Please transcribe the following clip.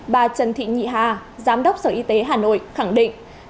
bà trần thị nhị hà giám đốc sở y tế hà nội khẳng định